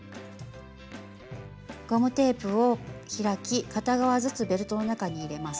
ゴムテープを開き片側ずつベルトの中に入れます。